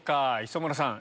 磯村さん。